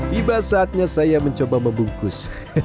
tiba saatnya saya mencoba membungkus